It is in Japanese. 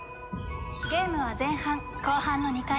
ゲームは前半後半の２回。